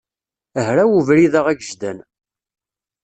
Hraw ubrid-a agejdan.